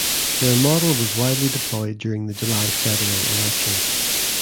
Their model was widely deployed during the July federal election.